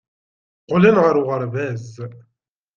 Qqlen ɣer uɣerbaz.